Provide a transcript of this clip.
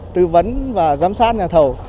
tư vấn và giám sát nhà thầu